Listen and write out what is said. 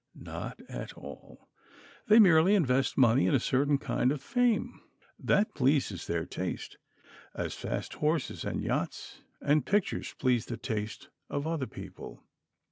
Not at all. They merely invest money in a certain kind of fame. That pleases their taste, as fast horses and yachts and pictures please the taste of other people.